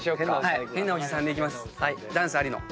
ダンスありの。